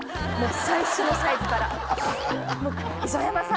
最初のサイズから。